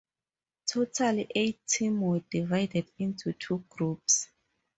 Total eight team were divided into two groups.